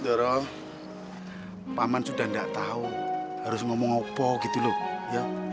dorong paman sudah tidak tahu harus ngomong ngomong gitu loh ya